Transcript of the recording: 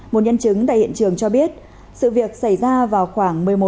một nhân chứng tại hiện trường cho biết sự việc xảy ra vào khoảng một mươi một h